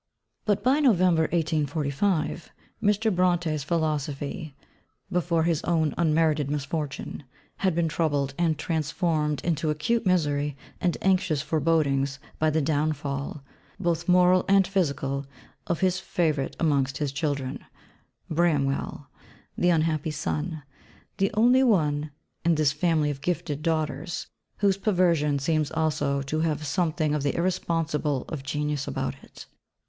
But by November 1845 Mr. Brontë's philosophy, before his own unmerited misfortune, had been troubled and transformed into acute misery and anxious forebodings by the downfall, both moral and physical, of his favourite amongst his children, Bramwell, the unhappy son the only one in this family of gifted daughters, whose perversion seems also to have had something of the irresponsibility of genius about it.